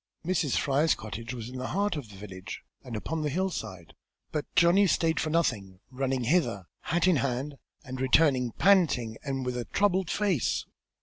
Mrs. Fry's cottage was in the heart of the village, and upon the hillside, but Johnny stayed for nothing, running hither, hat in hand, and returning panting, and with a troubled face.